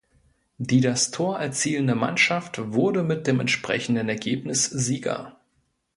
Die das Tor erzielende Mannschaft wurde mit dem entsprechenden Ergebnis Sieger.